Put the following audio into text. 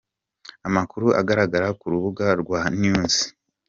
Amakuru agaragara ku rubuga rwa news.